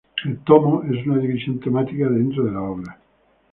El "tomo" es una división temática dentro de la obra.